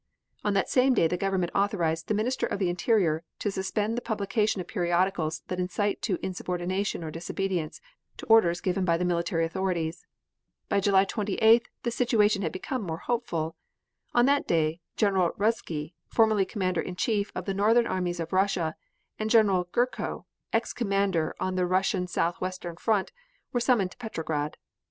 On that same date the government authorized the Minister of the Interior to suspend the publication of periodicals that incite to insubordination or disobedience to orders given by the military authorities. By July 28th the situation had become more hopeful. On that day General Ruzsky, formerly commander in chief of the northern armies of Russia, and General Gurko, ex commander on the Russian southwestern front, were summoned to Petrograd.